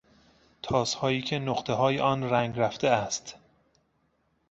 تاسهایی که نقطههای آن رنگ رفته است